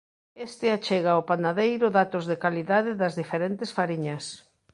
Este achega ao panadeiro datos de calidade das diferentes fariñas.